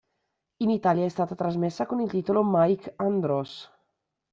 In Italia è stata trasmessa con il titolo "Mike Andros".